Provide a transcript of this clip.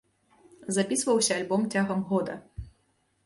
Запісваўся альбом цягам года.